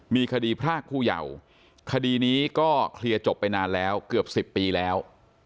มีคดีพรากผู้เยาว์คดีนี้ก็เคลียร์จบไปนานแล้วเกือบ๑๐ปีแล้ว